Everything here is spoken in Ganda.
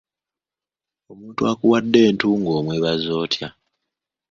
Omuntu akuwadde entungo omwebaza atya?